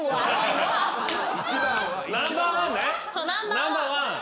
そうナンバーワン。